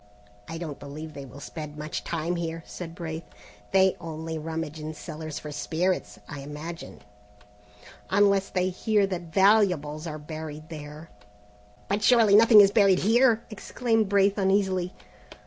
"I don't believe they will spend much time here," said Braith; "they only rummage in cellars for spirits, I imagine." "Unless they hear that valuables are buried there." "But surely nothing is buried here?" exclaimed Braith uneasily.